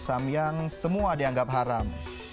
samyang semua dianggap haram